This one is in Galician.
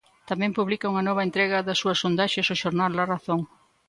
Tamén publica unha nova entrega das súas sondaxes o xornal La Razón.